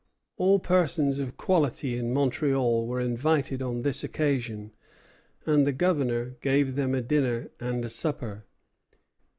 All persons of quality in Montreal were invited on this occasion, and the Governor gave them a dinner and a supper.